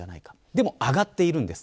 でも上がっているんです。